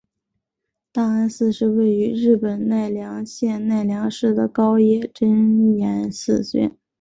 大安寺是位在日本奈良县奈良市的高野山真言宗寺院。